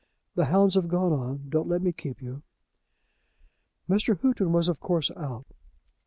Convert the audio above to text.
The hounds have gone on; don't let me keep you." Mr. Houghton was of course out.